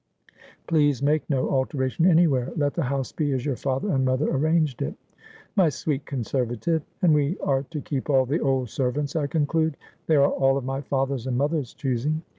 ' Please make no alteration anywhere. Let the house be as your father and mother arranged it.' ' My sweet conservative ! And we are to keep all the old servants, I conclude. They are all of my father's and mothers choosing.'